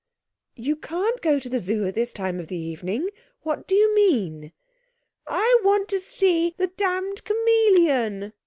'You can't go to the Zoo this time of the evening. What do you mean?' 'I want to see the damned chameleon.'